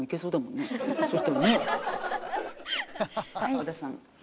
小田さん。